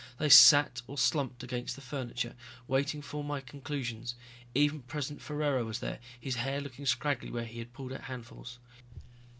They sat or slumped against the furniture, waiting for my conclusions. Even President Ferraro was there, his hair looking scraggly where he had pulled out handfuls.